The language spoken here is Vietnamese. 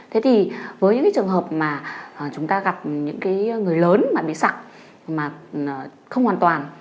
thế thì với những trường hợp mà chúng ta gặp những người lớn bị sặc mà không hoàn toàn